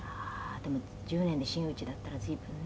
「でも１０年で真打ちだったら随分ね」